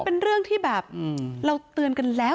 เป็นเรื่องที่แบบเราเตือนกันแล้ว